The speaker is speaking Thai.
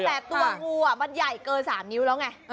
แต่ตัวงูมันใหญ่เกิน๓นิ้วแล้วไง